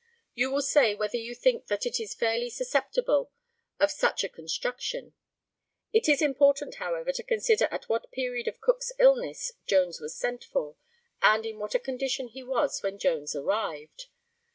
You will say whether you think that it is fairly susceptible of such a construction. It is important, however, to consider at what period of Cook's illness Jones was sent for, and in what a condition he was when Jones arrived.